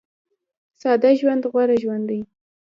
ساده ژوند غوره ژوند دی